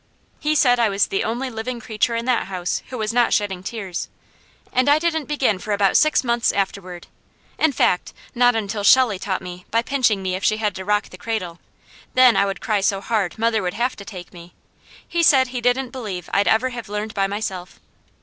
He said I was the only living creature in that house who was not shedding tears, and I didn't begin for about six months afterward. In fact, not until Shelley taught me by pinching me if she had to rock the cradle; then I would cry so hard mother would have to take me. He said he didn't believe I'd ever have learned by myself.